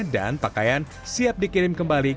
dan pakaian siap dikirim kembali